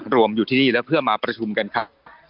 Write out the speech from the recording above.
รวมอยู่ที่นี่แล้วเพื่อมาประชุมกันค่ะ